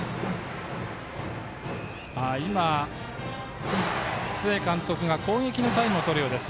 今、須江監督が攻撃のタイムをとるようです。